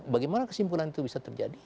bagaimana kesimpulan itu bisa terjadi